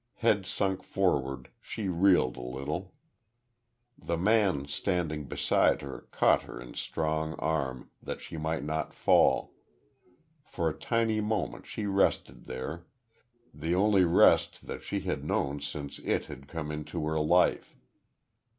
Head sunk forward, she reeled a little. The man, standing beside her, caught her in strong arm, that she might not fall.... For a tiny moment she rested there the only rest that she had known since It had come into her life.